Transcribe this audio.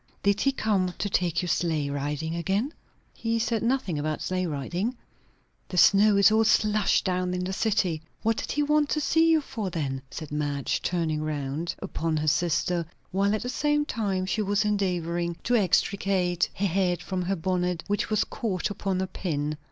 _ Did he come to take you sleigh riding again?" "He said nothing about sleigh riding." "The snow is all slush down in the city. What did he want to see you for, then?" said Madge, turning round upon her sister, while at the same time she was endeavouring to extricate her head from her bonnet, which was caught upon a pin.